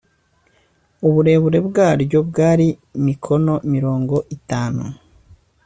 uburebure bwaryo bwari mikono mirongo itanu